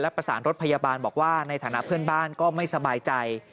ประสานรถพยาบาลบอกว่าในฐานะเพื่อนบ้านก็ไม่สบายใจ